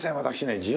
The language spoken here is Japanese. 私ね